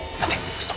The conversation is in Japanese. ちょっと。